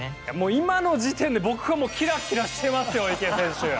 今の時点で、僕はもうキラキラしてますよ、池選手。